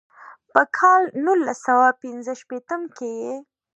پۀ کال نولس سوه پينځه شپيتم کښې ئې